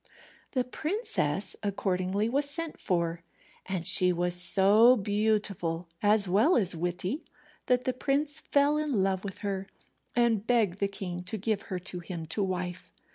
The princess accordingly was sent for, and she was so beautiful, as well as witty, that the prince fell in love with her, and begged the king to give her to him to wife.